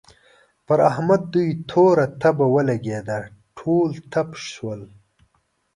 پر احمد دوی توره تبه ولګېده؛ ټول تپ شول.